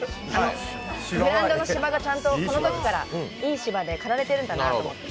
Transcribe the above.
グラウンドの芝がこのときからいい芝で刈られてるんだなって。